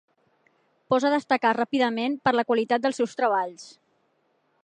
Posa destacà ràpidament per la qualitat dels seus treballs.